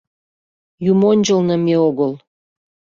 — Юмончылно, ме огыл!